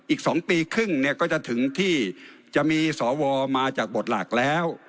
อีก๒ปีครึ่งเนี่ยก็จะถึงที่จะมีสวมาจากบทหลักแล้ว